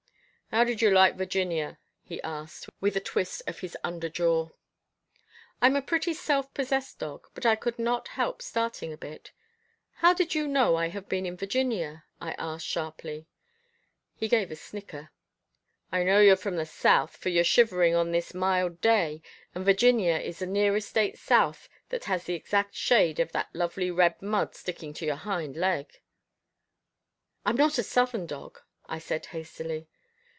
"How did you like Virginia?" he asked, with a twist of his under jaw. I'm a pretty self possessed dog, but I could not help starting a bit. "How did you know I have been in Virginia?" I asked sharply. He gave a snicker. "I know you're from the South, for you're shivering on this mild day, and Virginia is the nearest state south that has the exact shade of that lovely red mud sticking to your hind leg." "I'm not a Southern dog," I said hastily.